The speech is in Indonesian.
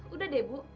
udah deh bu